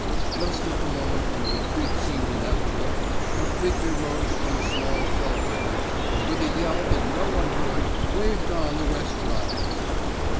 Just at the moment when retreat seemed inevitable, a figure rose from a small shell crater, and with a yell that no one heard waved on the Westshires.